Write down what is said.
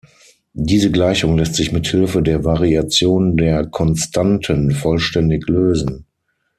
Diese Gleichung lässt sich mit Hilfe der Variation der Konstanten vollständig lösen.